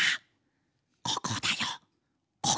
ここだよ